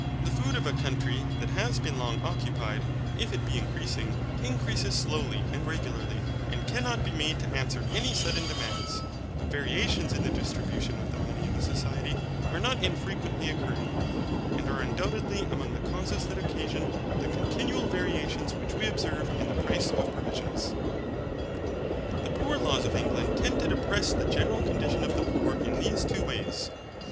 The food of a country that has been long occupied, if it be increasing, increases slowly and regularly and cannot be made to answer any sudden demands, but variations in the distribution of the money of a society are not infrequently occurring, and are undoubtedly among the causes that occasion the continual variations which we observe in the price of provisions. The poor laws of England tend to depress the general condition of the poor in these two ways.